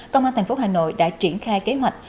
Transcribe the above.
công an thành phố hà nội đã triển khai kế hoạch